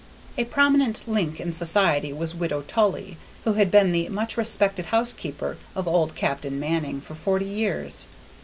A prominent link in society was Widow Tully, who had been the much respected housekeeper of old Captain Manning for forty years.